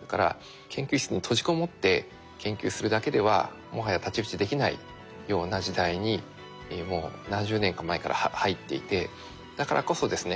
だから研究室に閉じこもって研究するだけではもはや太刀打ちできないような時代にもう何十年か前から入っていてだからこそですね